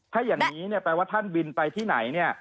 ถ้าอย่างนี้แปลว่าท่านบินไปที่ไหน